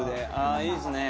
ああいいですね。